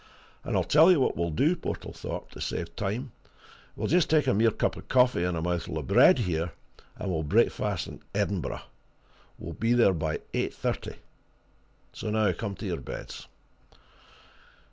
And I'll tell you what we'll do, Portlethorpe, to save time we'll just take a mere cup of coffee and a mouthful of bread here, and we'll breakfast in Edinburgh we'll be there by eight thirty. So now come to your beds."